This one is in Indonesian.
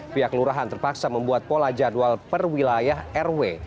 pihak kelurahan terpaksa membuat pola jadwal perwilayah rw